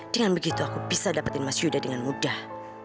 dengan begitu aku bisa dapatin mas yuda dengan mudah